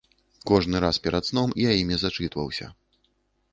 Кожны раз перад сном я імі зачытваўся.